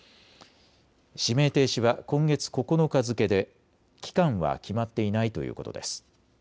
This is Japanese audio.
指名停止は今月９日付けで期間は決まっていないということです。